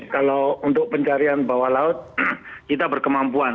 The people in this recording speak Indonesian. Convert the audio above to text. kalau untuk pencarian bawah laut kita berkemampuan